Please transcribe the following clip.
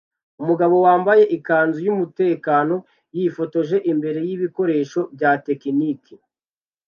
Umugabo wambaye ikanzu yumutekano yifotoje imbere yibikoresho bya tekiniki